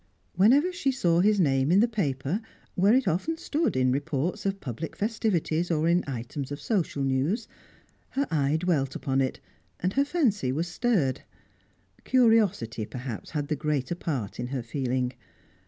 Whenever she saw his name in the paper where it often stood in reports of public festivities or in items of social news her eye dwelt upon it, and her fancy was stirred. Curiosity, perhaps, had the greater part in her feeling.